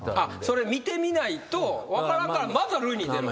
それ見てみないと分からんからまずは塁に出ろ。